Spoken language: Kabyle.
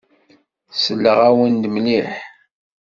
Selleɣ-awen-d mliḥ.